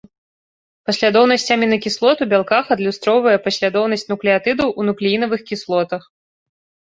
Паслядоўнасць амінакіслот у бялках адлюстроўвае паслядоўнасць нуклеатыдаў у нуклеінавых кіслотах.